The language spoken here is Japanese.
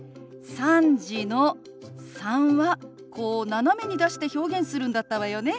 「３時」の「３」はこう斜めに出して表現するんだったわよね。